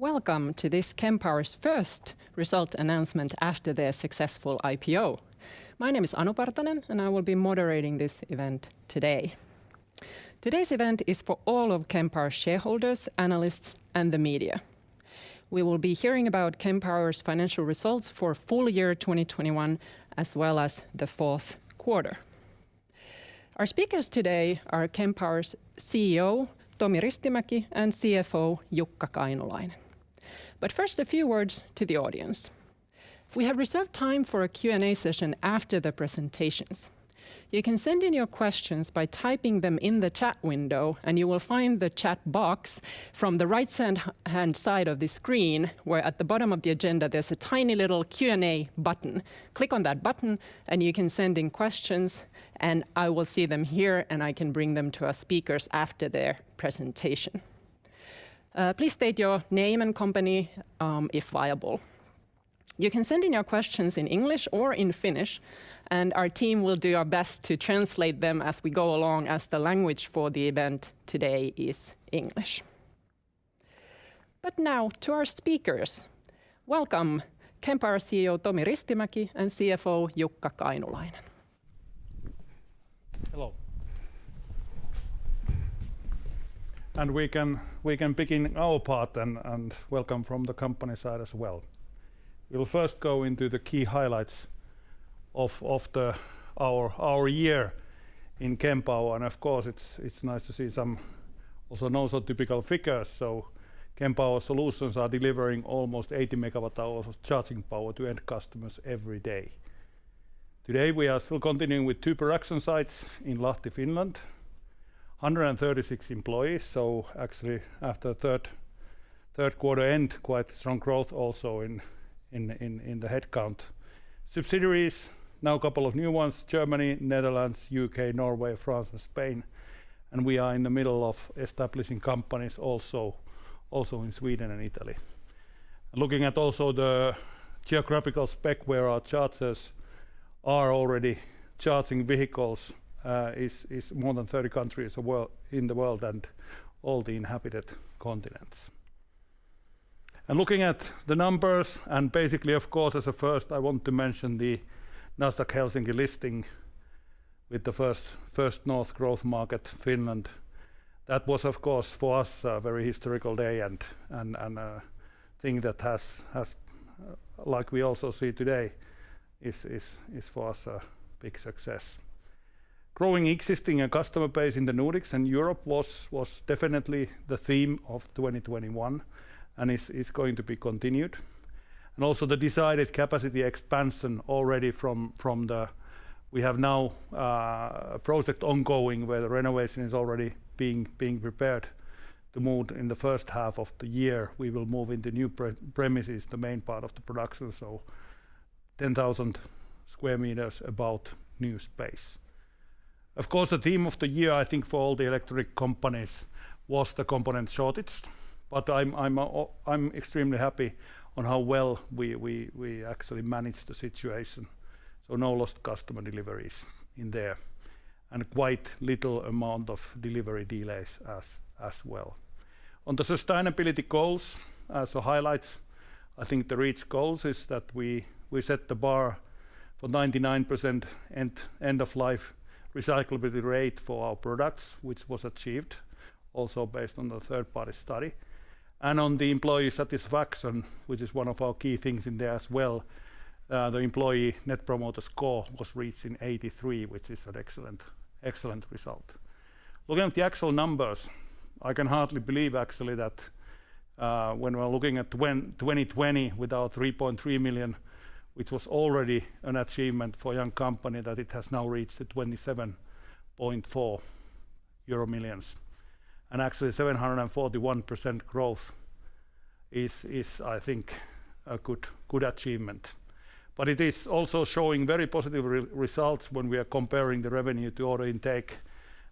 Welcome to this Kempower's first results announcement after their successful IPO. My name is Anu Partanen, and I will be moderating this event today. Today's event is for all of Kempower shareholders, analysts, and the media. We will be hearing about Kempower's financial results for full year 2021, as well as the fourth quarter. Our speakers today are Kempower's CEO, Tomi Ristimäki, and CFO, Jukka Kainulainen. First, a few words to the audience. We have reserved time for a Q&A session after the presentations. You can send in your questions by typing them in the chat window, and you will find the chat box from the right-hand side of the screen, where at the bottom of the agenda, there's a tiny little Q&A button. Click on that button, and you can send in questions, and I will see them here, and I can bring them to our speakers after their presentation. Please state your name and company, if viable. You can send in your questions in English or in Finnish, and our team will do our best to translate them as we go along, as the language for the event today is English. Now, to our speakers. Welcome, Kempower CEO, Tomi Ristimäki, and CFO, Jukka Kainulainen. Hello. We can begin our part and welcome from the company side as well. We'll first go into the key highlights of our year in Kempower, and of course it's nice to see some also not so typical figures, so Kempower solutions are delivering almost 80 MWh of charging power to end customers every day. Today, we are still continuing with two production sites in Lahti, Finland. 136 employees, so actually after third quarter end, quite strong growth also in the headcount. Subsidiaries, now a couple of new ones, Germany, Netherlands, U.K., Norway, France, and Spain, and we are in the middle of establishing companies also in Sweden and Italy. Looking at also the geographical spread where our chargers are already charging vehicles is more than 30 countries in the world, and all the inhabited continents. Looking at the numbers, basically, of course, as a first, I want to mention the Nasdaq Helsinki listing with the Nasdaq First North Growth Market, Finland. That was, of course, for us, a very historical day and thing that has, like we also see today, is for us a big success. Growing existing and customer base in the Nordics and Europe was definitely the theme of 2021, and is going to be continued. Also the decided capacity expansion already. We have now a project ongoing where the renovation is already being prepared to move in the first half of the year. We will move into new premises the main part of the production, so 10,000 sq m of new space. Of course, the theme of the year, I think, for all the electric companies was the component shortage, but I'm extremely happy with how well we actually managed the situation. No lost customer deliveries in there, and quite little amount of delivery delays as well. On the sustainability goals, highlights, I think the reached goals is that we set the bar for 99% end of life recyclability rate for our products, which was achieved, also based on the third-party study. On the employee satisfaction, which is one of our key things in there as well, the Employee Net Promoter Score was 83, which is an excellent result. Looking at the actual numbers, I can hardly believe actually that when we're looking at 2020 with our 3.3 million, which was already an achievement for a young company, that it has now reached the 27.4 million euro. Actually 741% growth is, I think a good achievement. It is also showing very positive results when we are comparing the revenue to order intake,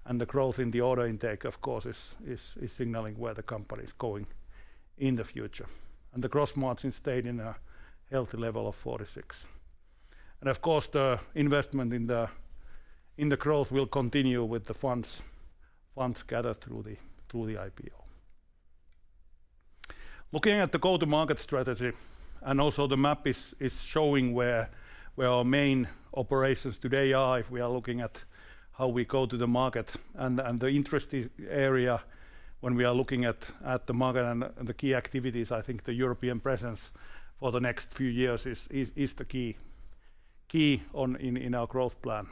and the growth in the order intake of course is signaling where the company is going in the future. The gross margin stayed in a healthy level of 46%. Of course, the investment in the growth will continue with the funds gathered through the IPO. Looking at the go-to-market strategy, and also the map is showing where our main operations today are if we are looking at how we go to the market. The interesting area when we are looking at the market and the key activities, I think the European presence for the next few years is the key in our growth plan.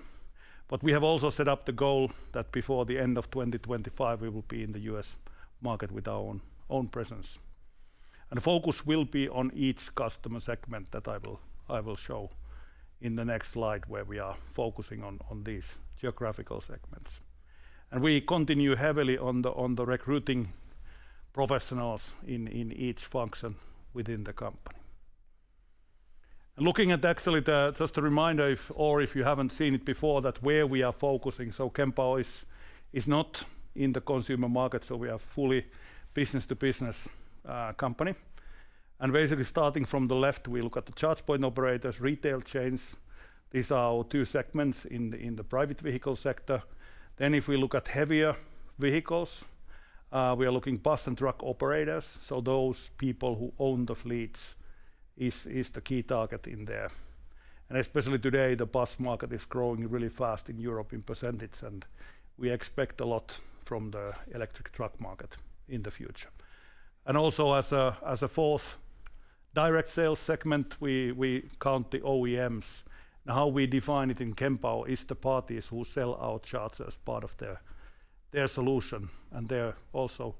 But we have also set up the goal that before the end of 2025 we will be in the U.S. market with our own presence. Focus will be on each customer segment that I will show in the next slide, where we are focusing on these geographical segments. We continue heavily on the recruiting professionals in each function within the company. Looking at actually the, just a reminder if you haven't seen it before, that where we are focusing, so Kempower is not in the consumer market, so we are fully business-to-business company. Basically starting from the left, we look at the charge point operators, retail chains. These are our two segments in the private vehicle sector. If we look at heavier vehicles, we are looking bus and truck operators. Those people who own the fleets is the key target in there. Especially today, the bus market is growing really fast in Europe in percentage, and we expect a lot from the electric truck market in the future. Also as a fourth direct sales segment, we count the OEMs. Now how we define it in Kempower is the parties who sell our chargers as part of their solution, and they're also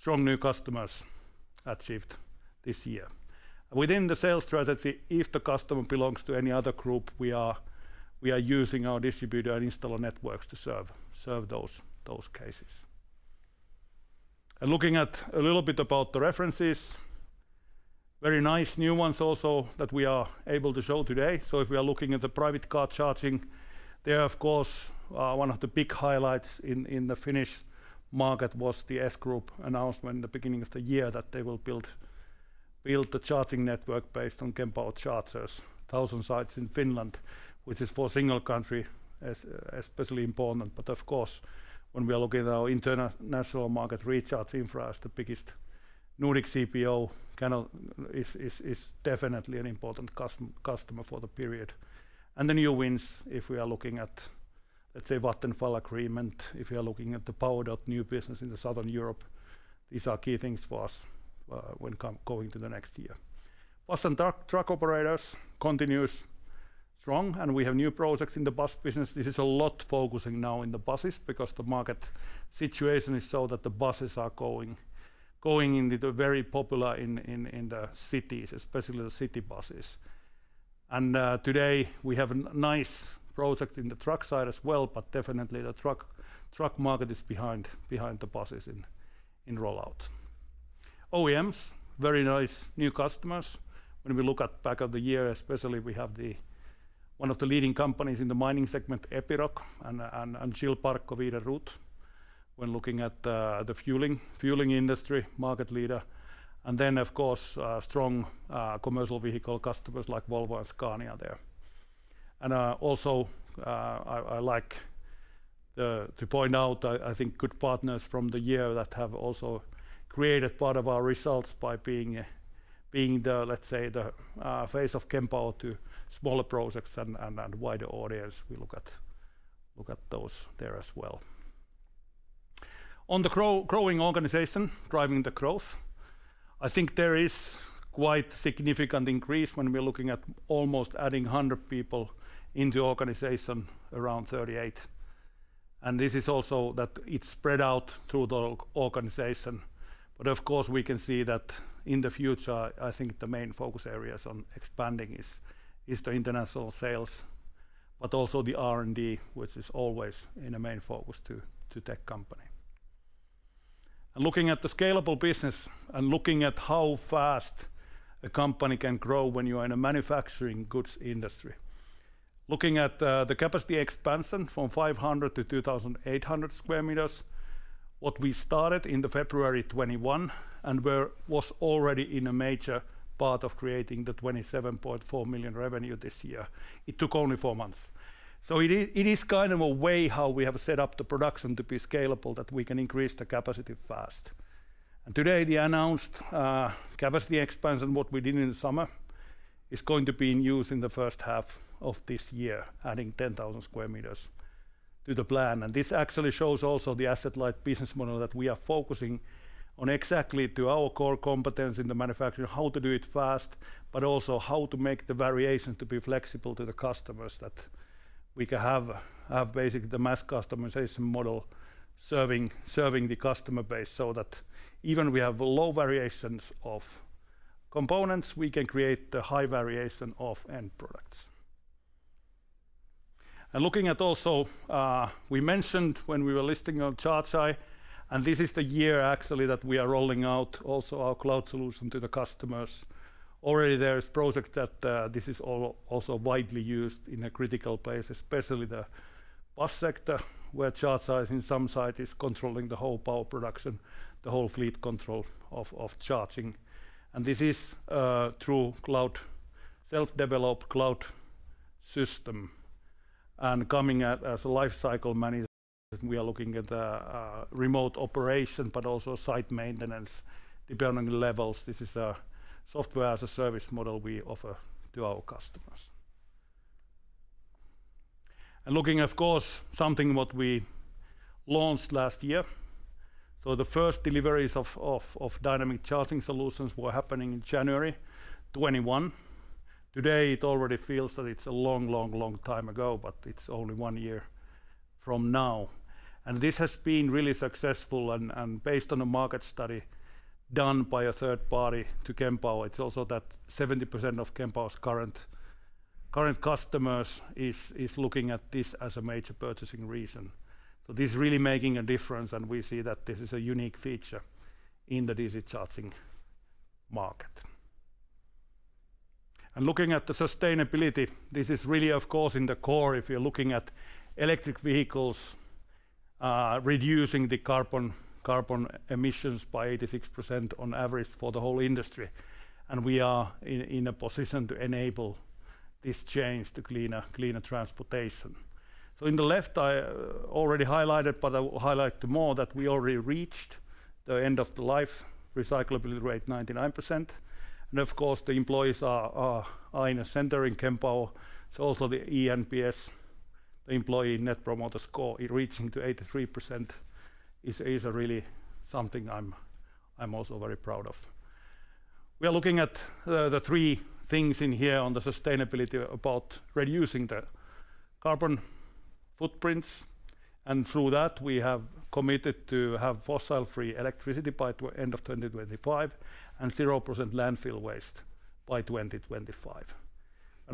strong new customers achieved this year. Within the sales strategy, if the customer belongs to any other group, we are using our distributor and installer networks to serve those cases. Looking at a little bit about the references, very nice new ones also that we are able to show today. If we are looking at the private car charging, there of course one of the big highlights in the Finnish market was the S Group announcement in the beginning of the year that they will build the charging network based on Kempower chargers. Thousand sites in Finland, which is for single country especially important. Of course, when we are looking at our international market, Recharge Infra as the biggest Nordic CPO kind of is definitely an important customer for the period. The new wins, if we are looking at, let's say, Vattenfall agreement, if you're looking at the Powerdot new business in Southern Europe, these are key things for us, when going to the next year. Bus and truck operators continues strong, and we have new projects in the bus business. This is a lot focusing now in the buses because the market situation is so that the buses are very popular in the cities, especially the city buses. Today we have a nice project in the truck side as well, but definitely the truck market is behind the buses in rollout. OEMs, very nice new customers. When we look back at the year, especially, we have one of the leading companies in the mining segment, Epiroc, and Shell Recharge when looking at the fueling industry market leader. Of course, strong commercial vehicle customers like Volvo and Scania there. Also, I like to point out, I think good partners from the year that have also created part of our results by being the, let's say, the face of Kempower to smaller projects and wider audience, we look at those there as well. On the growing organization driving the growth, I think there is quite significant increase when we're looking at almost adding 100 people into organization around 38. This is also that it's spread out through the organization. Of course, we can see that in the future, I think the main focus areas on expanding is the international sales, but also the R&D, which is always in a main focus to tech company. Looking at the scalable business and looking at how fast a company can grow when you're in a manufacturing goods industry. Looking at the capacity expansion from 500 to 2,800 sq m, what we started in February 2021 and was already in a major part of creating the 27.4 million revenue this year. It took only four months. It is kind of a way how we have set up the production to be scalable, that we can increase the capacity fast. Today, the announced capacity expansion, what we did in the summer, is going to be in use in the first half of this year, adding 10,000 sq m to the plant. This actually shows also the asset-light business model that we are focusing on exactly to our core competence in the manufacturing, how to do it fast, but also how to make the variations to be flexible to the customers that we can have basically the mass customization model serving the customer base so that even we have low variations of components, we can create the high variation of end products. Looking at also, we mentioned when we were listing on ChargEye, and this is the year actually that we are rolling out also our cloud solution to the customers. Already there is project that this is also widely used in a critical place, especially the bus sector, where ChargEye in some site is controlling the whole power production, the whole fleet control of charging. This is through cloud, self-developed cloud system. Coming at as a lifecycle management we are looking at remote operation, but also site maintenance depending on the levels. This is a software-as-a-service model we offer to our customers. Looking of course something what we launched last year. The first deliveries of dynamic charging solutions were happening in January 2021. Today, it already feels that it's a long time ago, but it's only one year from now. This has been really successful and based on a market study done by a third party to Kempower, it's also that 70% of Kempower's current customers is looking at this as a major purchasing reason. This is really making a difference, and we see that this is a unique feature in the DC charging market. Looking at the sustainability, this is really of course in the core if you're looking at electric vehicles, reducing the carbon emissions by 86% on average for the whole industry, and we are in a position to enable this change to cleaner transportation. In the left, I already highlighted, but I will highlight more that we already reached the end of the life recyclability rate 99%. Of course, the employees are in the center in Kempower. Also the eNPS, the Employee Net Promoter Score, it reaching to 83% is a really something I'm also very proud of. We are looking at the three things in here on the sustainability about reducing the carbon footprints, and through that we have committed to have fossil-free electricity by end of 2025, and 0% landfill waste by 2025.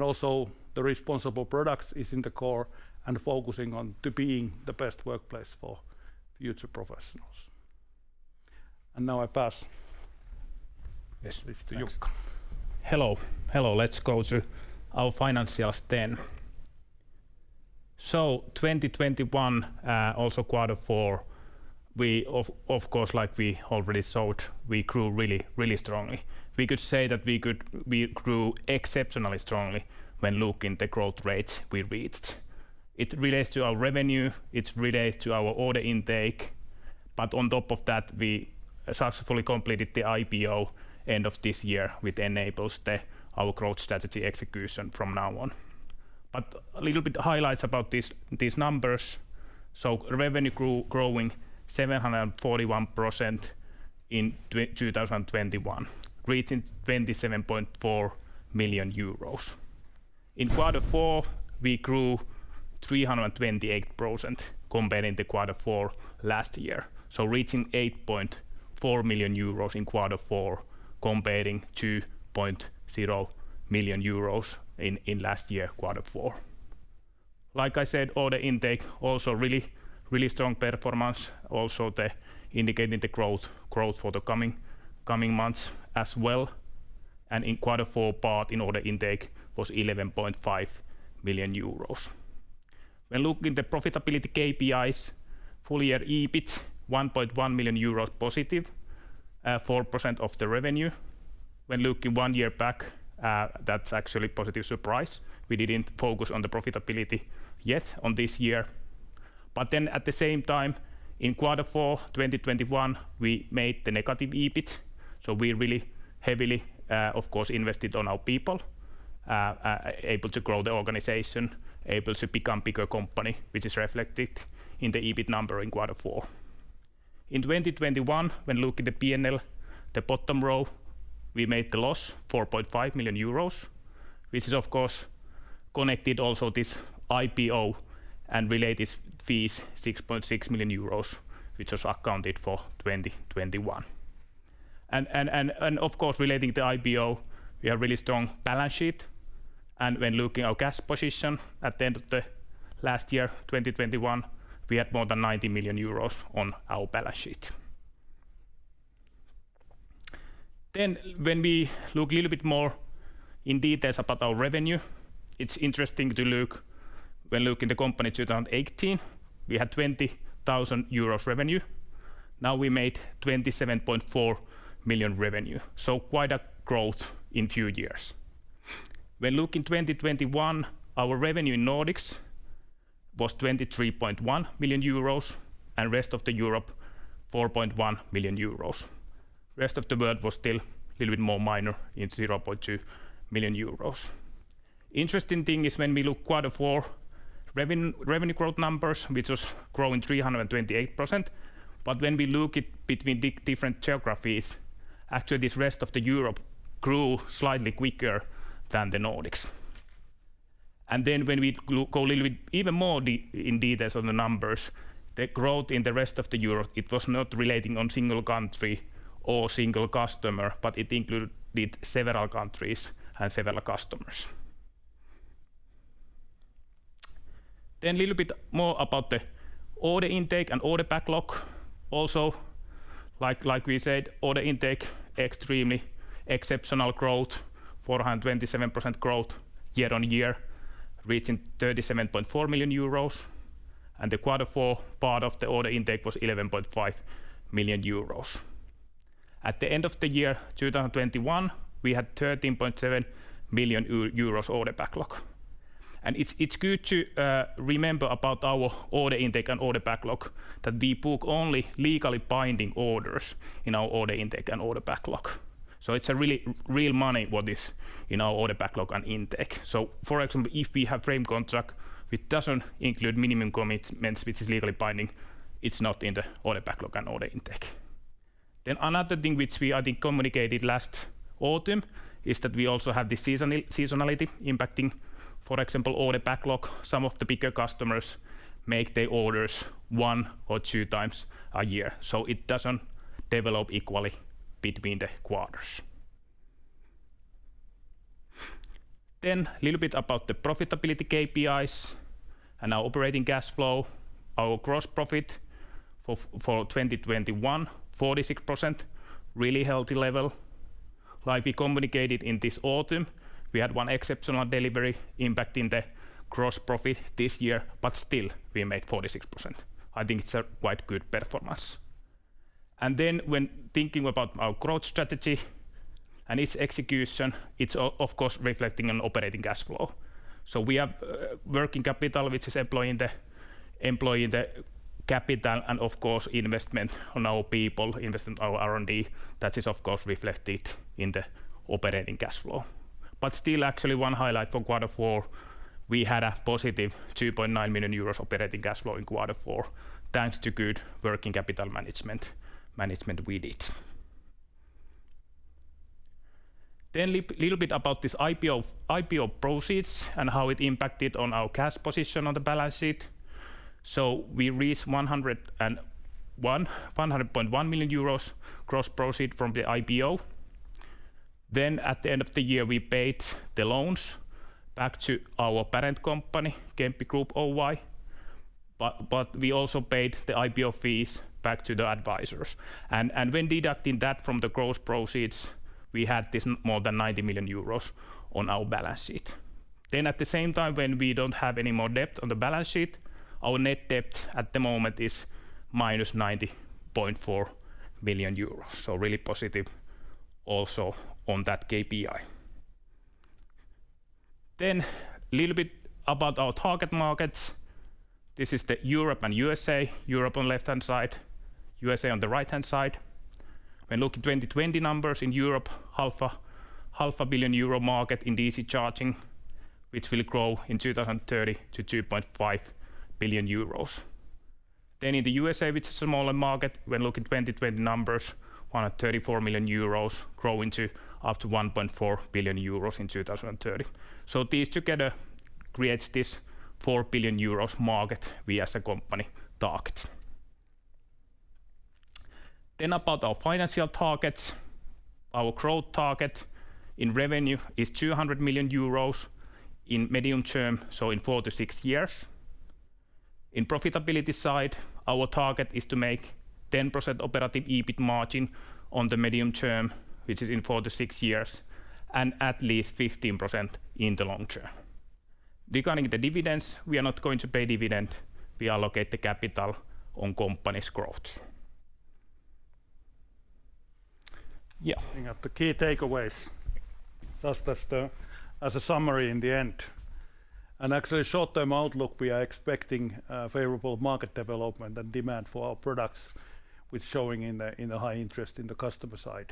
Also, the responsible products is in the core and focusing on to being the best workplace for future professionals. Now I pass this list to Jukka. Thanks. Hello. Hello. Let's go to our financials then. 2021, also quarter four, we, of course, like we already thought, we grew really strongly. We grew exceptionally strongly when looking at the growth rates we reached. It relates to our revenue, it relates to our order intake, but on top of that, we successfully completed the IPO end of this year, which enables our growth strategy execution from now on. A little bit highlights about these numbers. Revenue grew, growing 741% in 2021, reaching 27.4 million euros. In quarter four, we grew 328% comparing to quarter four last year, so reaching 8.4 million euros in quarter four, comparing 2.0 million euros in last year quarter four. Like I said, order intake also really strong performance, also indicating the growth for the coming months as well. In quarter four order intake was 11.5 million euros. When looking at the profitability KPIs, full year EBITA 1.1 million euros positive, 4% of the revenue. When looking one year back, that's actually positive surprise. We didn't focus on the profitability yet this year. At the same time, in quarter four, 2021, we had negative EBITDA, so we really heavily invested in our people able to grow the organization able to become bigger company, which is reflected in the EBITDA number in quarter four. In 2021, when looking at the P&L, the bottom row, we made the loss of 4.5 million euros, which is of course connected also to this IPO and related fees, 6.6 million euros, which was accounted for in 2021. Of course, relating to IPO, we have really strong balance sheet. When looking at our cash position at the end of the last year, 2021, we had more than 90 million euros on our balance sheet. When we look a little bit more in details about our revenue, it's interesting looking at the company in 2018, we had 20,000 euros revenue. Now we made 27.4 million revenue, so quite a growth in few years. When looking 2021, our revenue in Nordics was 23.1 million euros, and rest of Europe, 4.1 million euros. Rest of the world was still a little bit more minor in 0.2 million euros. Interesting thing is when we look quarter four revenue growth numbers, which was growing 328%, but when we look it between different geographies, actually this rest of Europe grew slightly quicker than the Nordics. When we go a little bit even more in details on the numbers, the growth in the rest of Europe, it was not relying on single country or single customer, but it included several countries and several customers. Little bit more about the order intake and order backlog. Like we said, order intake [had] extremely exceptional growth, 427% growth year-over-year, reaching 37.4 million euros. The Q4 part of the order intake was 11.5 million euros. At the end of the year 2021, we had 13.7 million euros order backlog. It's good to remember about our order intake and order backlog that we book only legally binding orders in our order intake and order backlog. It's a really real money what is in our order backlog and intake. For example, if we have frame contract which doesn't include minimum commitments which is legally binding, it's not in the order backlog and order intake. Another thing which we, I think, communicated last autumn is that we also have the seasonality impacting, for example, order backlog. Some of the bigger customers make their orders one or two times a year, so it doesn't develop equally between the quarters. A little bit about the profitability KPIs and our operating cash flow. Our gross profit for 2021, 46%, really healthy level. Like we communicated in this autumn, we had one exceptional delivery impacting the gross profit this year, but still we made 46%. I think it's a quite good performance. When thinking about our growth strategy and its execution, it's of course reflecting an operating cash flow. We have working capital which is employing the capital and of course investment in our people, invest in our R&D. That is of course reflected in the operating cash flow. Still actually one highlight for quarter four, we had a positive 2.9 million euros operating cash flow in quarter four, thanks to good working capital management we did. Little bit about this IPO proceeds and how it impacted on our cash position on the balance sheet. We raised 101.1 million euros gross proceeds from the IPO. At the end of the year, we paid the loans back to our parent company, Kemppi Group Oy, but we also paid the IPO fees back to the advisors. When deducting that from the gross proceeds, we had this more than 90 million euros on our balance sheet. At the same time, when we don't have any more debt on the balance sheet, our net debt at the moment is minus 90.4 million euros, so really positive also on that KPI. A little bit about our target markets. This is the Europe and U.S. Europe on left-hand side, U.S. on the right-hand side. When looking at 2020 numbers in Europe, half a billion euro market in DC charging, which will grow in 2030 to 2.5 billion euros. In the U.S., which is a smaller market, when looking at 2020 numbers, 134 million euros growing to up to 1.4 billion euros in 2030. These together creates this 4 billion euros market we as a company target. About our financial targets, our growth target in revenue is 200 million euros in medium term, so in 4-6 years. On profitability side, our target is to make 10% operating EBIT margin in the medium term, which is in four to six years, and at least 15% in the long term. Regarding the dividends, we are not going to pay dividend, we allocate the capital on company's growth. Yeah. Looking at the key takeaways, just as a summary in the end. Actually short-term outlook, we are expecting favorable market development and demand for our products, which showing in the high interest in the customer side.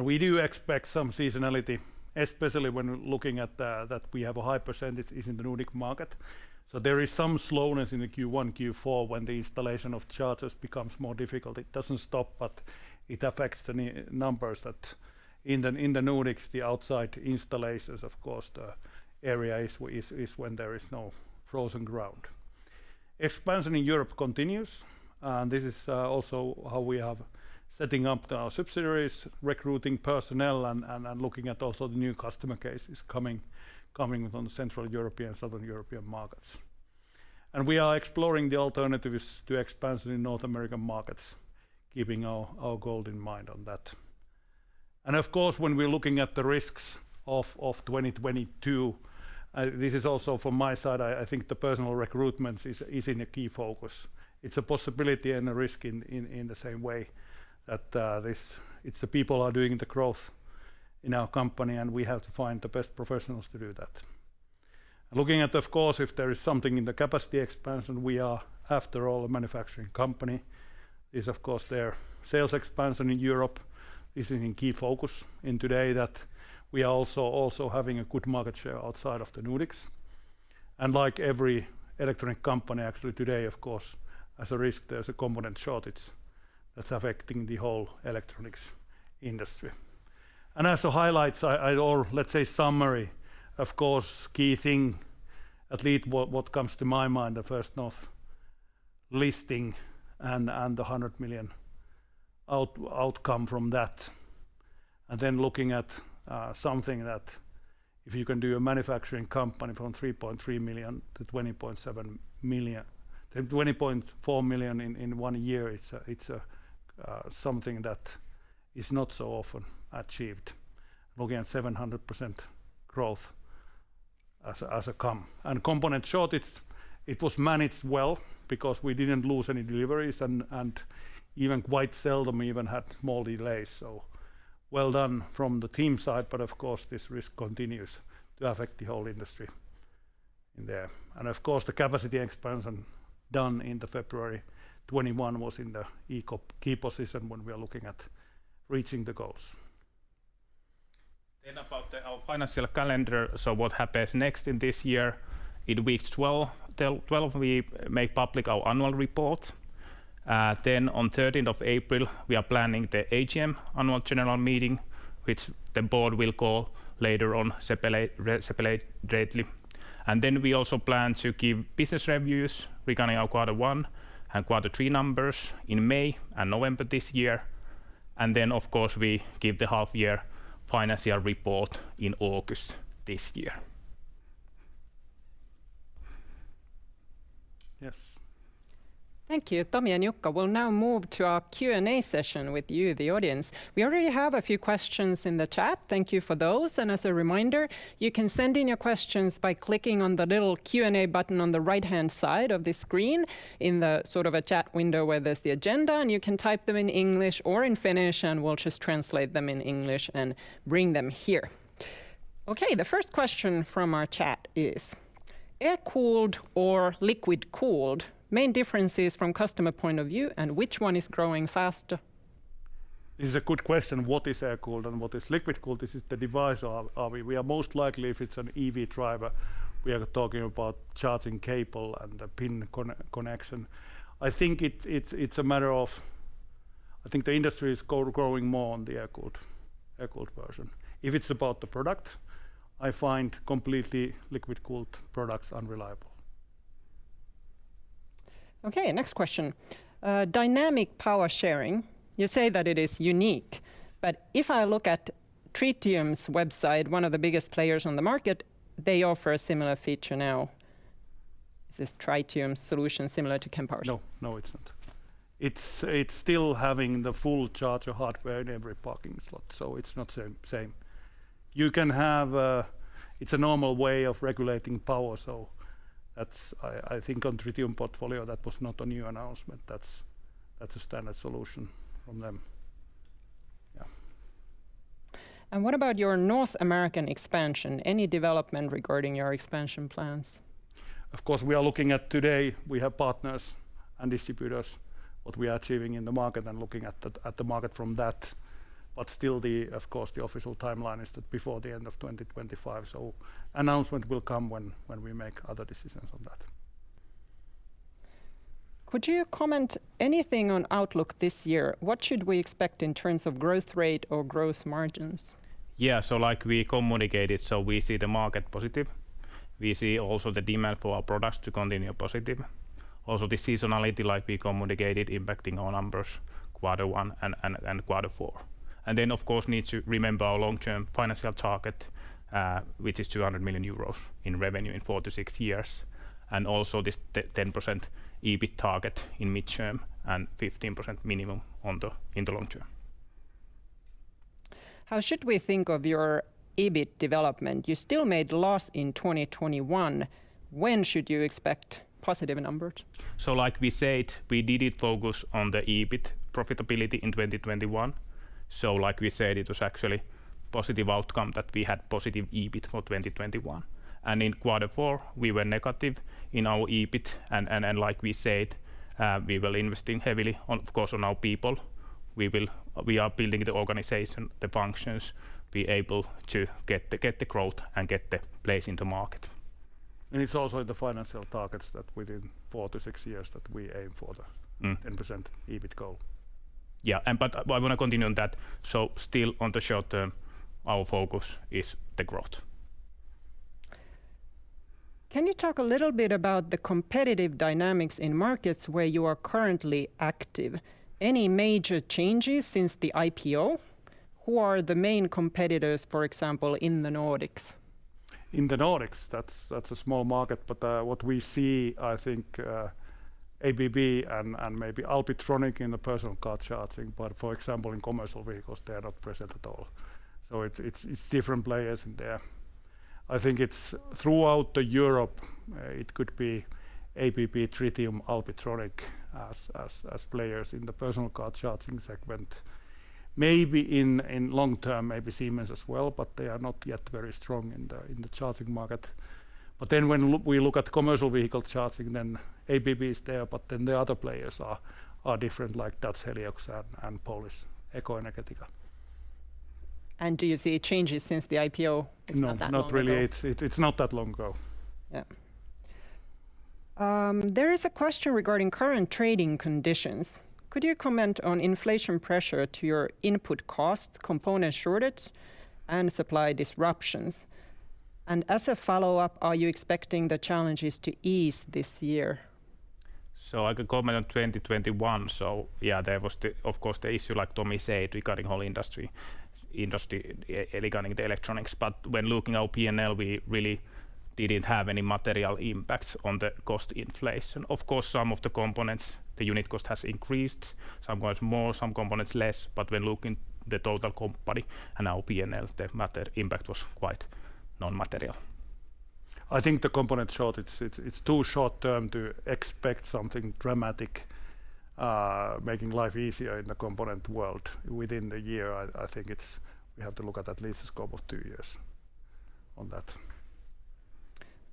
We do expect some seasonality, especially when looking at that we have a high percentage is in the Nordic market. There is some slowness in the Q1, Q4 when the installation of chargers becomes more difficult. It doesn't stop, but it affects the numbers that in the Nordics, the outside installations, of course, the area is when there is no frozen ground. Expansion in Europe continues, and this is also how we have setting up our subsidiaries, recruiting personnel and looking at also the new customer cases coming on the Central European, Southern European markets. We are exploring the alternatives to expansion in North American markets, keeping our goal in mind on that. Of course, when we're looking at the risks of 2022, this is also from my side, I think the personnel recruitment is in a key focus. It's a possibility and a risk in the same way that it's the people are doing the growth in our company, and we have to find the best professionals to do that. Looking at, of course, if there is something in the capacity expansion, we are, after all, a manufacturing company, the sales expansion in Europe is in key focus today that we are also having a good market share outside of the Nordics. Like every electronic company actually today, of course, as a risk, there's a component shortage that's affecting the whole electronics industry. As a highlight, or let's say summary, of course, key thing, at least what comes to my mind, the First North listing and the 100 million outcome from that. Then looking at something that if you can do a manufacturing company from 3.3 million to 20.7 million to 20.4 million in one year, it's a something that is not so often achieved. Looking at 700% growth as a company. Component shortage, it was managed well because we didn't lose any deliveries and even quite seldom had small delays. Well done from the team side, but of course this risk continues to affect the whole industry in there. Of course the capacity expansion done in February 2021 was in the key position when we are looking at reaching the goals. About our financial calendar, so what happens next in this year. In weeks 12 till 12 we make public our annual report. On 13th of April, we are planning the AGM, annual general meeting, which the board will call later on separately. We also plan to give business reviews regarding our quarter one and quarter three numbers in May and November this year. Of course, we give the half year financial report in August this year. Yes. Thank you, Tomi and Jukka. We'll now move to our Q&A session with you, the audience. We already have a few questions in the chat. Thank you for those. As a reminder, you can send in your questions by clicking on the little Q&A button on the right-hand side of the screen in the sort of a chat window where there's the agenda, and you can type them in English or in Finnish, and we'll just translate them in English and bring them here. Okay. The first question from our chat is, "Air cooled or liquid cooled? Main differences from customer point of view, and which one is growing faster? It's a good question. What is air cooled and what is liquid cooled? This is the device or we are most likely if it's an EV driver, we are talking about charging cable and the pin connection. I think it's a matter of I think the industry is growing more on the air cooled version. If it's about the product, I find completely liquid cooled products unreliable. Okay. Next question. Dynamic power sharing, you say that it is unique, but if I look at Tritium's website, one of the biggest players on the market, they offer a similar feature now. Is this Tritium solution similar to Kempower's? No, it's not. It's still having the full charger hardware in every parking slot, so it's not same. You can have. It's a normal way of regulating power, so that's. I think on Tritium portfolio, that was not a new announcement. That's a standard solution from them. Yeah. What about your North American expansion? Any development regarding your expansion plans? Of course, we are looking at today, we have partners and distributors, what we are achieving in the market and looking at the market from that. Still, of course, the official timeline is that before the end of 2025, so announcement will come when we make other decisions on that. Could you comment anything on outlook this year? What should we expect in terms of growth rate or gross margins? Like we communicated, we see the market positive. We see also the demand for our products to continue positive. The seasonality like we communicated impacting our numbers quarter one and quarter four. We need to remember our long-term financial target, which is 200 million euros in revenue in four to six years, and also this 10% EBIT target in midterm and 15% minimum in the long term. How should we think of your EBIT development? You still made loss in 2021. When should you expect positive numbers? Like we said, we didn't focus on the EBIT profitability in 2021. Like we said, it was actually positive outcome that we had positive EBIT for 2021. In quarter four, we were negative in our EBIT. Like we said, we were investing heavily on, of course, on our people. We are building the organization, the functions, be able to get the growth and get the place in the market. It's also in the financial targets that within four to six years we aim for the- Mm 10% EBIT goal. Yeah, I wanna continue on that. Still on the short term, our focus is the growth. Can you talk a little bit about the competitive dynamics in markets where you are currently active? Any major changes since the IPO? Who are the main competitors, for example, in the Nordics? In the Nordics, that's a small market, but what we see, I think, ABB and maybe Alpitronic in the personal car charging. For example, in commercial vehicles, they are not present at all. It's different players in there. I think it's throughout Europe, it could be ABB, Tritium, Alpitronic as players in the personal car charging segment. Maybe in long term, maybe Siemens as well, but they are not yet very strong in the charging market. We look at commercial vehicle charging, then ABB is there, but the other players are different, like Dutch Heliox and Polish Ekoenergetyka. Do you see changes since the IPO? It's not that long ago? No, not really. It's not that long ago. Yeah. There is a question regarding current trading conditions. Could you comment on inflation pressure to your input costs, component shortage, and supply disruptions? As a follow-up, are you expecting the challenges to ease this year? I can comment on 2021. Yeah, there was, of course, the issue like Tomi said regarding the whole industry regarding the electronics. When looking at our P&L, we really didn't have any material impacts on the cost inflation. Of course, some of the components, the unit cost has increased, some components more, some components less, but when looking at the total company and our P&L, the impact was quite non-material. I think the component shortage, it's too short term to expect something dramatic, making life easier in the component world within the year. I think we have to look at least a scope of two years on that.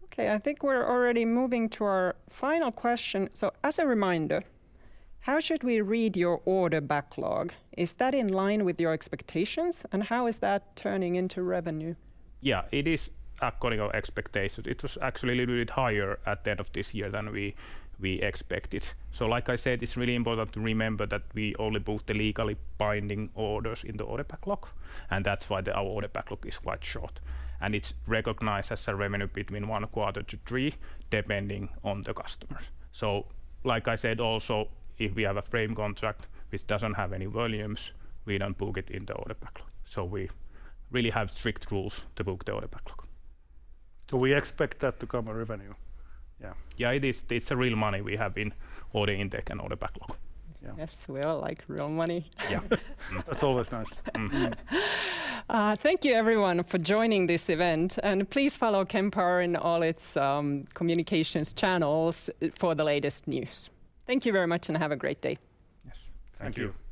Okay. I think we're already moving to our final question. As a reminder, how should we read your order backlog? Is that in line with your expectations, and how is that turning into revenue? Yeah. It is according to our expectations. It was actually a little bit higher at the end of this year than we expected. Like I said, it's really important to remember that we only book the legally binding orders in the order backlog, and that's why our order backlog is quite short. It's recognized as a revenue between one quarter to three, depending on the customers. Like I said, also, if we have a frame contract which doesn't have any volumes, we don't book it in the order backlog. We really have strict rules to book the order backlog. We expect that to come as revenue. Yeah. Yeah, it is. It's real money we have in order intake and order backlog. Yeah. Yes, we all like real money. Yeah. That's always nice. Mm-hmm. Thank you everyone for joining this event, and please follow Kempower in all its communications channels for the latest news. Thank you very much and have a great day. Yes. Thank you.